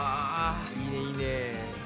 いいねいいね。